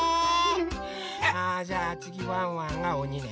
あじゃあつぎワンワンがおにね。